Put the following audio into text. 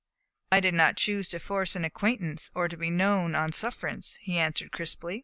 "I did not choose to force an acquaintance or to be known on sufferance," he answered crisply.